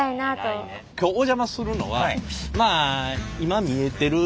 今日お邪魔するのはまあ見えてる？